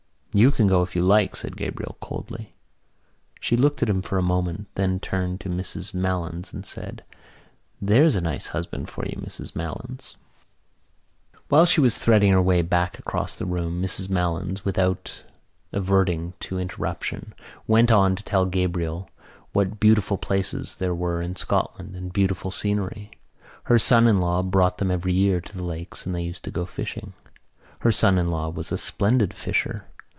"You can go if you like," said Gabriel coldly. She looked at him for a moment, then turned to Mrs Malins and said: "There's a nice husband for you, Mrs Malins." While she was threading her way back across the room Mrs Malins, without adverting to the interruption, went on to tell Gabriel what beautiful places there were in Scotland and beautiful scenery. Her son in law brought them every year to the lakes and they used to go fishing. Her son in law was a splendid fisher.